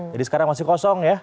jadi sekarang masih kosong ya